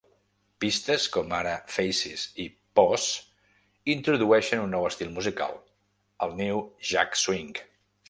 Pistes com ara "Faces" i "Pause" introdueixen un nou estil musical, el new jack swing.